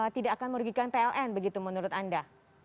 tidak akan merugikan pln begitu menurut anda